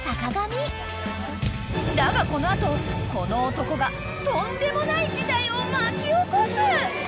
［だがこの後この男がとんでもない事態を巻き起こす］